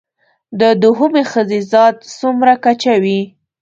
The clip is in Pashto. د دوهمې ښځې ذات څومره کچه وي